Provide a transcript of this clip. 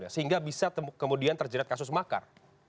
sehingga bisa kemudian terjerat kasus makar